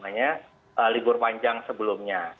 tidak seharusnya libur panjang sebelumnya